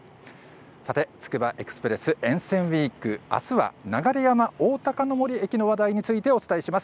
つくばエクスプレス沿線ウイーク、あすは流山おおたかの森駅の話題についてお伝えします。